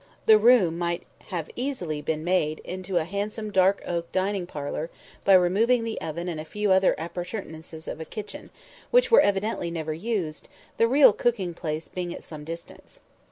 The room might have been easily made into a handsome dark oak dining parlour by removing the oven and a few other appurtenances of a kitchen, which were evidently never used, the real cooking place being at some distance.